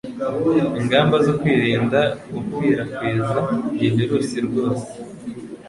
ingamba zo kwirinda gukwirakwiza iyi virus rwose